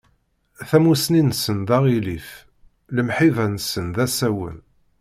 Tamusni-nsen d aɣilif, lemḥiba-nsen d asawen.